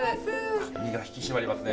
身が引き締まりますね。